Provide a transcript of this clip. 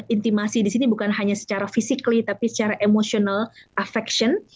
intimasi di sini bukan hanya secara fisik tapi secara emotional affection